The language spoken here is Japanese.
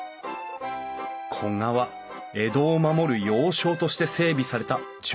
古河は江戸を守る要衝として整備された城下町。